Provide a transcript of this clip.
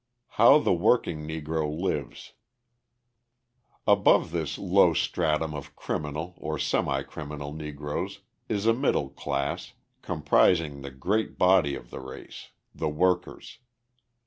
How the Working Negro Lives Above this low stratum of criminal or semi criminal Negroes is a middle class, comprising the great body of the race the workers.